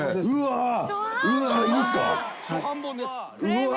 「うわ。